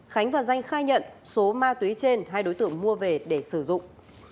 khánh và danh khai nhận số ma túy trên hai đối tượng mua về để sử dụng